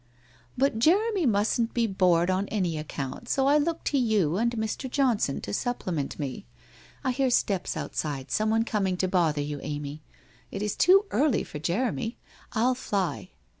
' But Jeremy mustn't be bored on any account, so I look to you and Mr. Johnson to supplement me. I hear steps outside, someone coming to bother you, Amy! It is too early for Jeremy ! I'll fly